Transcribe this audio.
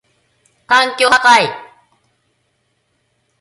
環境破壊